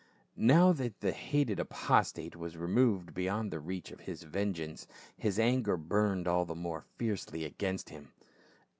Now that the hated apostate was removed beyond the reach of his vengeance, his anger burned all the more fiercely against him.